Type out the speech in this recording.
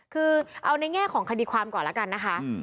คือเอาในแง่ของคดีความก่อนแล้วกันนะคะ